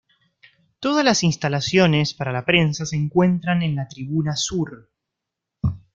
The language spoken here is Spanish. Todas las instalaciones para la prensa se encuentran en la tribuna sur.